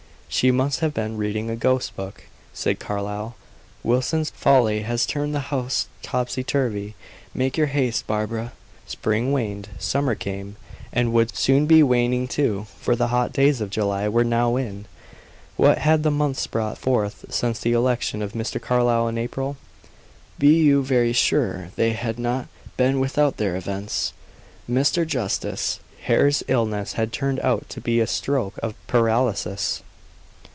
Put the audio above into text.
"She must have been reading a ghost book," said Carlyle. "Wilson's folly has turned the house topsy turvy. Make your haste, Barbara." Spring waned. Summer came, and would soon be waning, too, for the hot days of July were now in. What had the months brought forth, since the election of Mr. Carlyle in April? Be you very sure they had not been without their events. Mr. Justice Hare's illness had turned out to be a stroke of paralysis.